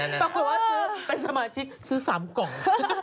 แต่คือว่าเป็นสมาชิกซื้อ๓กล่อง